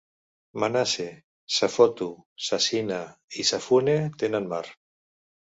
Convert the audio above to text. Manase, Safotu, Sasina i Safune tenen mar.